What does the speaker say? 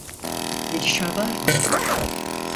Gelişme var mı?